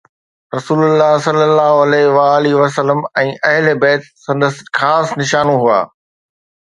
رسول الله صلي الله عليه وآله وسلم ۽ اهل بيت سندس خاص نشانو هئا.